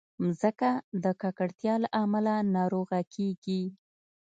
مځکه د ککړتیا له امله ناروغه کېږي.